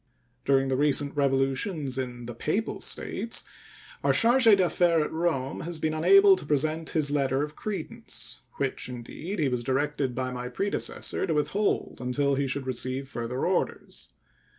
During the recent revolutions in the Papal States our charge d'affaires at Rome has been unable to present his letter of credence, which, indeed, he was directed by my predecessor to withhold until he should receive further orders.